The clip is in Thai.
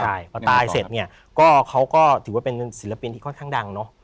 ใช่พอตายเสร็จเนี่ยก็เขาก็ถือว่าเป็นศิลปินที่ค่อนข้างดังเนอะ